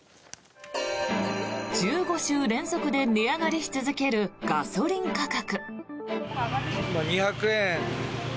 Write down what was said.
１５週連続で値上がりし続けるガソリン価格。